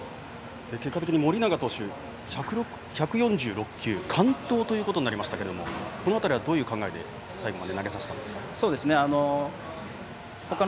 結果的に盛永投手１４６球完投ということになりましたがこの辺り、どういう考えで最後まで投げさせたんでしょうか。